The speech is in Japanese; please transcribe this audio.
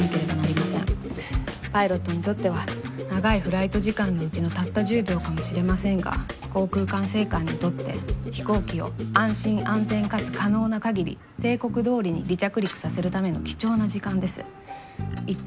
パイロットにとっては長いフライト時間のうちのたった１０秒かもしれませんが航空管制官にとって飛行機を安心安全かつ可能な限り定刻どおりに離着陸させるための貴重な時間です。